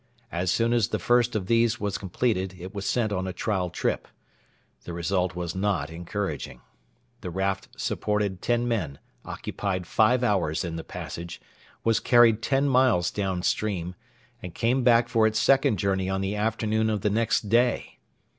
As soon as the first of these was completed, it was sent on a trial trip. The result was not encouraging. The raft supported ten men, occupied five hours in the passage, was carried ten miles down stream, and came back for its second journey on the afternoon of the next day.